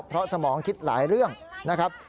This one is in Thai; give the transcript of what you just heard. เพราะสมองคิดหลายเรื่องนะครับ